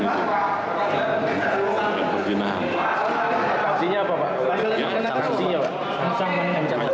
karena ada terbukti melakukan tindakan perizinahan itu